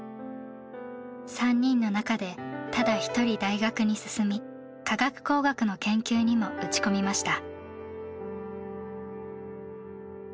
３人の中でただ一人大学に進み化学工学の研究にも打ち込みました。